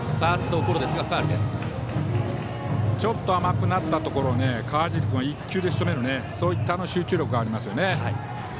ちょっと甘くなったところ川尻君は１球でしとめる集中力がありますね。